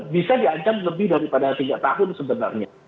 bisa di ancam lebih daripada tiga tahun sebenarnya